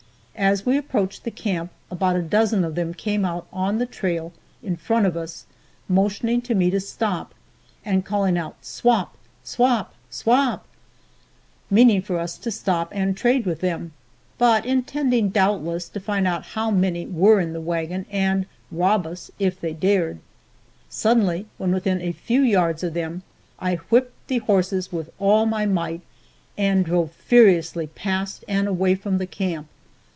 As we approached the camp about a dozen of them came out on the trail in front of us, motioning to me to stop and calling out, "Swap, swap, swap," meaning for us to stop and trade with them, but intending doubtless to find out how many were in the wagon, and rob us if they dared. Suddenly, when within a few yards of them, I whipped the horses with all my might, and drove furiously past and away from the camp.